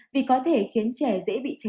vì có thể khiến trẻ dễ bị chảy